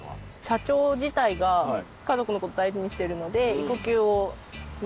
社長自体が家族の事大事にしてるので。